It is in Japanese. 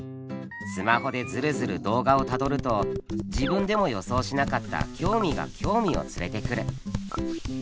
スマホでずるずる動画をたどると自分でも予想しなかった興味が興味を連れてくる。